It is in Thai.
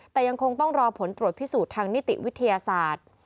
แต่ยังคงต้องรอผลตรวจพิสูจน์ทางนิติวิทยาศาสตร์